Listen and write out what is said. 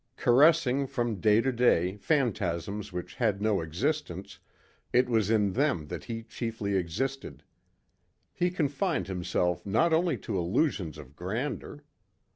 Caressing from day to day phantasms which had no existence, it was in them that he chiefly existed. He confined himself not only to illusions of grandeur.